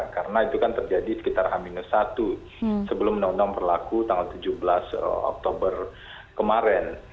karena itu kan terjadi sekitar h satu sebelum undang undang berlaku tanggal tujuh belas oktober kemarin